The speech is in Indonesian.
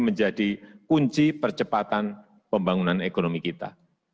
menjadi kunci percepatan pembangunan ekonomi kita